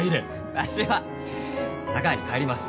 わしは佐川に帰ります。